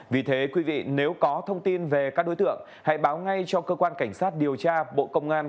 vì thế quý vị nếu có thông tin về các đối tượng hãy báo ngay cho cơ quan cảnh sát điều tra bộ công an